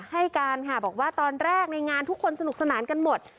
ให้การค่ะบอกว่าตอนแรกในงานทุกคนสนุกสนานกันหมด